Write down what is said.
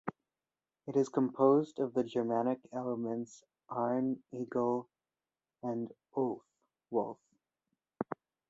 It is composed of the Germanic elements "arn" "eagle" and "ulf" "wolf".